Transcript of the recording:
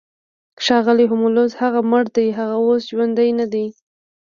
ښاغلی هولمز هغه مړ دی هغه اوس ژوندی ندی